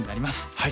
はい。